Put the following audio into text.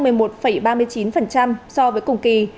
so với cùng kỳ